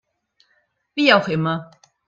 Wie auch immer.